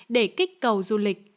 để kích cầu du lịch